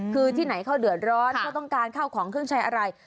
คือที่ไหนเขาเดือดร้อนเขาต้องการข้าวของเครื่องใช้อะไร